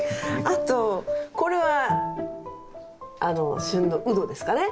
あとこれは旬のウドですかね。